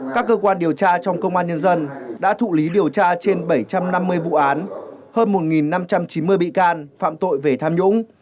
các cơ quan điều tra trong công an nhân dân đã thụ lý điều tra trên bảy trăm năm mươi vụ án hơn một năm trăm chín mươi bị can phạm tội về tham nhũng